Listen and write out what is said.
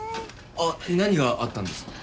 あっ何があったんですか？